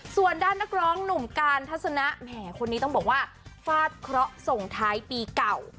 ส่วนด้านนักร้องหนุ่มการทัศนะแหมคนนี้ต้องบอกว่าฟาดเคราะห์ส่งท้ายปีเก่า